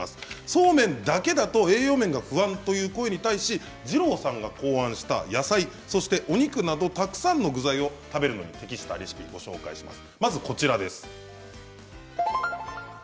そうめんだけだと栄養面が不安という声に対し二郎さんが考案した野菜にお肉などたくさんの具材を食べるのに適したレシピをご紹介します。